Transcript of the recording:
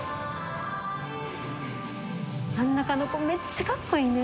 真ん中の子めっちゃかっこいいね。